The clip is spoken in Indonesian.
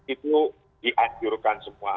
itu dianjurkan semua